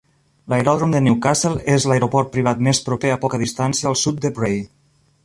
L'aeròdrom de Newcastle és l'aeroport privat més proper a poca distància al sud de Bray.